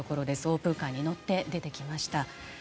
オープンカーに乗って出てきました。